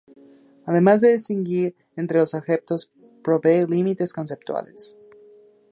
Además de distinguir entre los objetos provee límites conceptuales.